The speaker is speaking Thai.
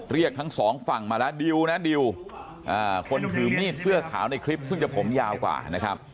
เรียกทั้งสองฝั่งมาแล้วดิวนะดิวคนถือมีดเสื้อขาวในคลิปซึ่งจะผมยาวกว่านะครับ